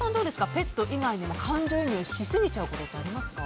ペット以外にも感情移入しすぎちゃうことってありますか？